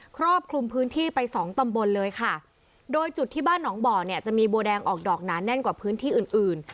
ครอบคลุมพื้นที่ไปสองตำบลเลยค่ะโดยจุดที่บ้านหนองบ่อเนี่ยจะมีบัวแดงออกดอกหนาแน่นกว่าพื้นที่อื่นอื่น